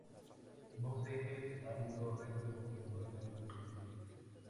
Dos ejes en ángulo recto configuran el edificio.